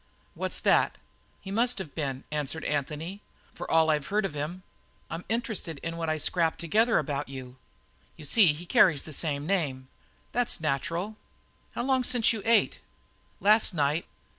"What's that?" "He must have been," answered Anthony, "from all that I've heard of him. I'm interested in what I scrape together about him. You see, he carries the same name." "That's nacheral. How long since you ate?" "Last night."